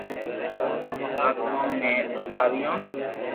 آتمائون ني ٻولاويو